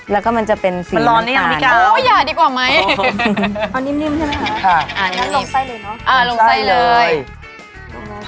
แล้วก็มันจะเป็นสีน้ำตาลนะครับโอ้ยอย่าดีกว่าไหมเอานิ่มใช่ไหมคะอ่ะนั่นลงใส่เลยเนอะ